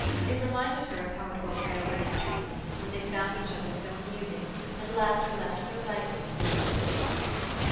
It reminded her of how it was on their wedding journey, when they found each other so amusing, and laughter leaped so lightly to their happy lips.